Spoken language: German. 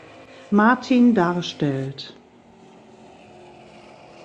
Martin darstellt.